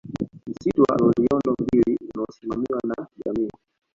Msitu wa Loliondo mbili unaosimamiwa na jamii